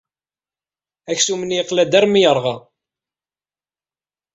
Aksum-nni yeqla-d armi ay yerɣa.